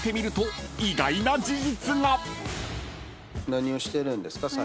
何をしてるんですか？